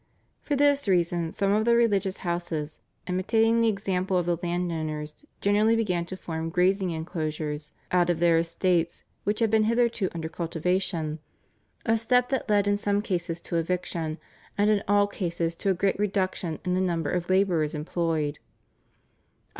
For this reason some of the religious houses, imitating the example of the landowners generally, began to form grazing enclosures out of their estates which had been hitherto under cultivation, a step that led in some cases to eviction and in all cases to a great reduction in the number of labourers employed.